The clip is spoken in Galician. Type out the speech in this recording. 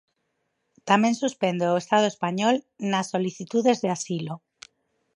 Tamén suspende o Estado español nas solicitudes de asilo.